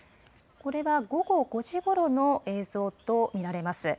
これは午後５時ごろの映像と見られます。